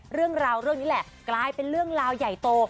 เรื่องราวเรื่องนี้แหละกลายเป็นเรื่องราวใหญ่โต